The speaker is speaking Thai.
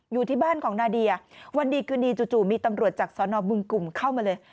อยู่ที่บ้านของนาเดียวันดีคืนดีจู่มีตำรวจจากสนบึงกลุ่มเข้ามาเลย